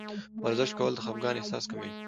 ورزش کول د خفګان احساس کموي.